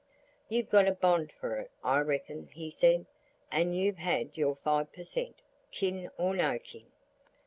"You've got a bond for it, I reckon," he said; "and you've had your five per cent, kin or no kin."